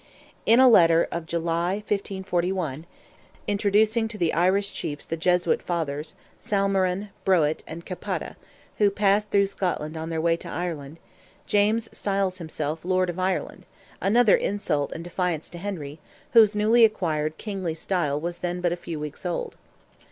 In a letter of July, 1541, introducing to the Irish Chiefs the Jesuit Fathers, Salmeron, Broet, and Capata, who passed through Scotland on their way to Ireland, James styles himself "Lord of Ireland"—another insult and defiance to Henry, whose newly acquired kingly style was then but a few weeks old.